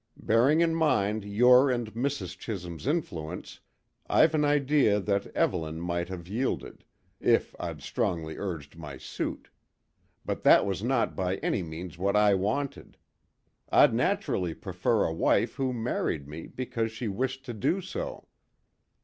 Bearing in mind your and Mrs. Chisholm's influence, I've an idea that Evelyn might have yielded, if I'd strongly urged my suit; but that was not by any means what I wanted. I'd naturally prefer a wife who married me because she wished to do so.